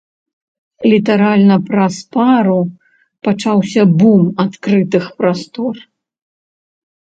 Літаральна праз пару пачаўся бум адкрытых прастор.